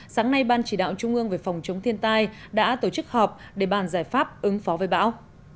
sáng nay ban chỉ đạo trung ương về phòng chống thiên tai đã tổ chức họp để bàn giải pháp ứng phó với bão